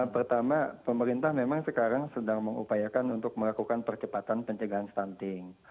pertama pemerintah memang sekarang sedang mengupayakan untuk melakukan percepatan pencegahan stunting